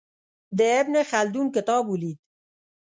د ابن خلدون کتاب ولید.